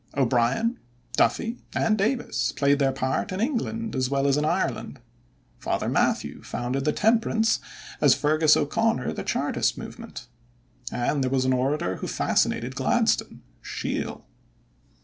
O'Brien, Duffy, and Davis played their part in England as well as in Ireland. Father Mathew founded the Temperance, as Feargus O'Conor the Chartist, movement. And there was an orator who fascinated Gladstone Sheil.